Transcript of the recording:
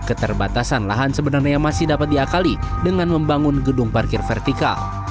keterbatasan lahan sebenarnya masih dapat diakali dengan membangun gedung parkir vertikal